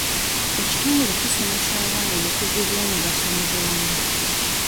Ekitongole kisomesa abaana obukugu obw'omugaso mu bulamu.